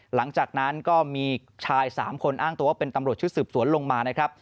หลังจากนั้นก็มีชาย๓คนอ้างตัวว่าเป็นตำรวจชุดสืบสวนลงมานะครับ